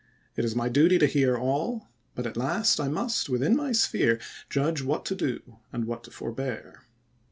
It is my duty to hear from all ; but at last I must, within my sphere, judge what to ms. do and what to forbear.